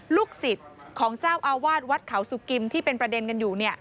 ลูกศิษย์ของเจ้าอาวาสวัดเขาสุกิมที่เป็นประเด็นกันอยู่